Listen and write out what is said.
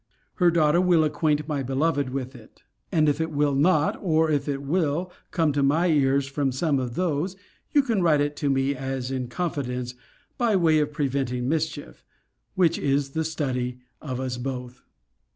Her daughter will acquaint my beloved with it. And if it will not, or if it will, come to my ears from some of those, you can write it to me, as in confidence, by way of preventing msicheif; which is the study of us both.